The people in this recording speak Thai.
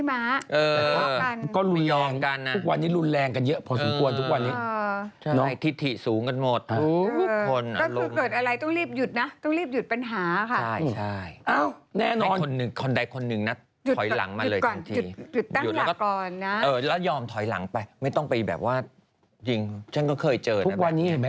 ไม่รู้ว่าพื้นหากันง่ายขนาดนั้นได้ไหม